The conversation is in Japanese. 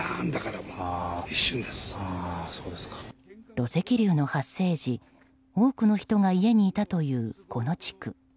土石流の発生時、多くの人が家にいたというこの地区。